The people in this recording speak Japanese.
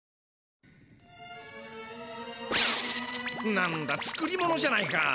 なんだ作り物じゃないか。